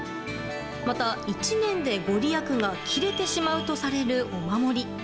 また、１年でご利益が切れてしまうとされるお守り。